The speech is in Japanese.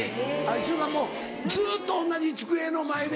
１週間もずっと同じ机の前で。